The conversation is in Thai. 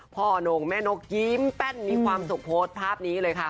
โน่งแม่นกยิ้มแป้นมีความสุขโพสต์ภาพนี้เลยค่ะ